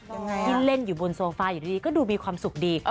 กินเล่นบนโซฟาอยู่ดูนี่ก็ดูมีความสุขดี